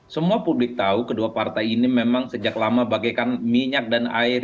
semua publik tahu kedua partai ini memang sejak lama bagaikan minyak dan air